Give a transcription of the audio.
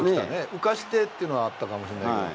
浮かしてというのがあったかもしれないけど。